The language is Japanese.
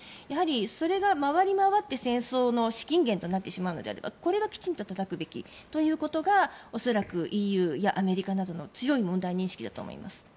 やはりそれが回り回って戦争の資金源となってしまうのであればこれはきちんとたたくべきというのが恐らくＥＵやアメリカなどの強い問題認識だと思います。